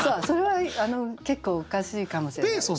それは結構おかしいかもしれない。